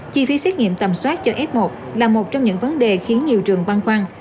chi phí xét nghiệm tầm soát cho f một là một trong những vấn đề khiến nhiều trường băn khoăn